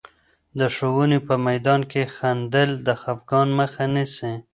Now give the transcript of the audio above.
د ښوونې په میدان کې خندل، د خفګان مخه نیسي.